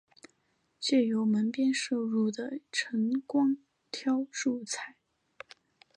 借由门边射入的晨光挑著菜